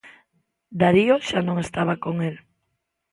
Darío xa non estaba con el.